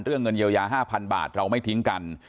เงินเยียวยา๕๐๐บาทเราไม่ทิ้งกัน